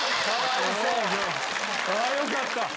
よかった！